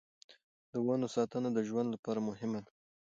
د ونو ساتنه د ژوند لپاره مهمه ده.